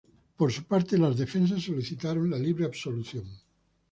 Por su parte, las defensas solicitaron la libre absolución.